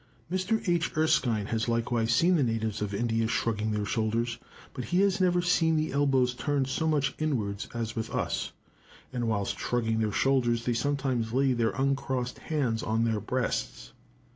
Mr. H. Erskine has likewise seen the natives of India shrugging their shoulders; but he has never seen the elbows turned so much inwards as with us; and whilst shrugging their shoulders they sometimes lay their uncrossed hands on their breasts.